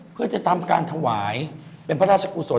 เพื่อจะทำการถวายเป็นพระราชกุศล